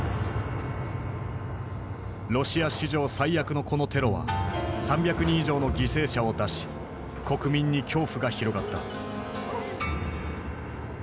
ロシア史上最悪のこのテロは３００人以上の犠牲者を出し国民に恐怖が広がった。